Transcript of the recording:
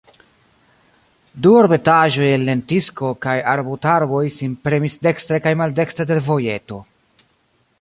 Du arbetaĵoj el lentiskoj kaj arbutarboj sin premis dekstre kaj maldekstre de l' vojeto.